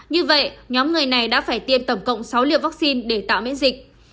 như vậy nhóm người này đã phải tiêm tổng cộng sáu liều vaccine để tạo miễn dịch